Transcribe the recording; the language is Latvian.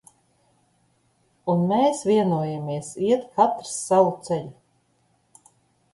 Un mes vienojamies iet katrs savu celu!